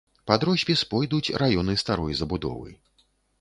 Пад роспіс пойдуць раёны старой забудовы.